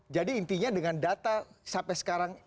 jadi intinya dengan data sampai sekarang